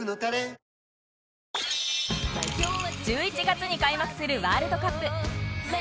１１月に開幕するワールドカップ